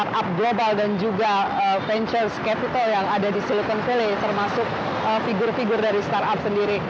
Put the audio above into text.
startup global dan juga ventures capital yang ada di silicon valley termasuk figur figur dari startup sendiri